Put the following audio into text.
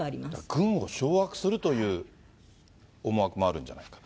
軍を掌握するという思惑もあるんじゃないか。